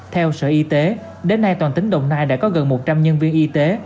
theo sở y tế đến nay toàn tỉnh đồng nai đã có gần một trăm linh nhân viên y tế